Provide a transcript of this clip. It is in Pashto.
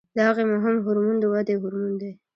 د هغې مهم هورمون د ودې هورمون دی.